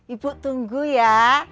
ibu tunggu ya